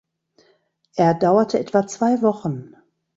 Er dauerte etwa zwei Wochen.